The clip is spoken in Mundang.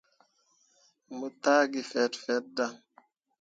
Mo taa gi fet fet dan.